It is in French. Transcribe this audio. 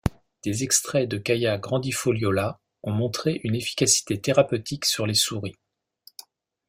Des extraits de Khaya grandifoliola ont montré une efficacité thérapeutique sur les souris.